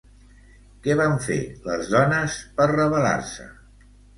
Què van fer les dones per rebel·lar-se?